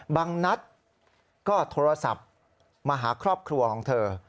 นัดก็โทรศัพท์มาหาครอบครัวของเธอ